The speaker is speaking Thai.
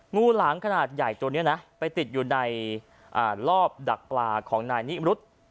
งูหลางขนาดใหญ่ตัวนี้นะไปติดอยู่ในรอบดักปลาของนายนิรุธ